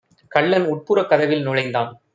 கள்ளன் உட்புறக் கதவில் நுழைந்தான்.